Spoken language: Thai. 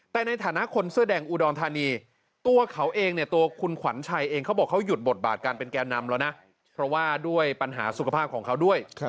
แต่ในฐานะคนเสื้อแดงอุดรธานีตัวเขาเองเนี่ยตัวคุณขวัญชัยเองเขาบอกเขาหยุดบทบาทการเป็นแก่นำแล้วนะเพราะว่าด้วยปัญหาสุขภาพของเขาด้วย